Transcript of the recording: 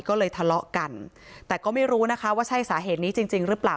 ก็เลยทะเลาะกันแต่ก็ไม่รู้นะคะว่าใช่สาเหตุนี้จริงจริงหรือเปล่า